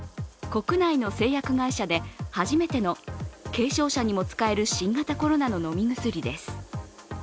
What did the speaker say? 国内の製薬会社で初めての軽症者にも使える新型コロナの飲み薬です。